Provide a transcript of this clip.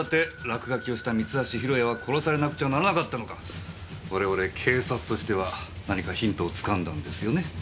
落書きをした三橋弘也は殺されなくちゃならなかったのか我々警察としては何かヒントをつかんだんですよね？